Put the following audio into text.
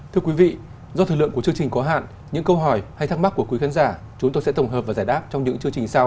thưa quý vị do thời lượng của chương trình có hạn những câu hỏi hay thắc mắc của quý khán giả chúng tôi sẽ tổng hợp và giải đáp trong những chương trình sau